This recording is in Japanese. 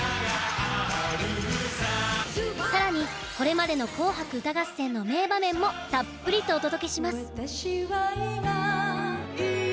さらに、これまでの「紅白歌合戦」の名場面もたっぷりとお届けします